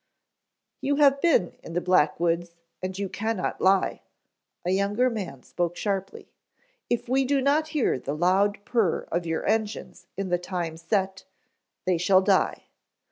"You have been in the Black Woods and you cannot lie," a younger man spoke sharply. "If we do not hear the loud purr of your engines in the time set, they shall die.